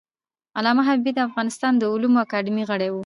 علامه حبیبي د افغانستان د علومو اکاډمۍ غړی و.